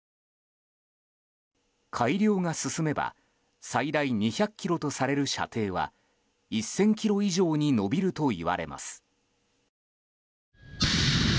改良が進めば最大２００ｋｍとされる射程は１０００ｋｍ以上に伸びるといわれます。